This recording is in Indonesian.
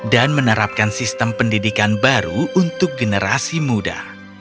dan menerapkan sistem pendidikan baru untuk generasi muda